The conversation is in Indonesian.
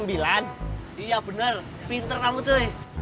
iya bener pinter kamu coy